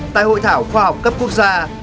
tại hội thảo khoa học cấp quốc gia